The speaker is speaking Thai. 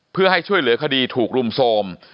เพื่อให้ช่วยเหลือคดีถูกรุมโทรม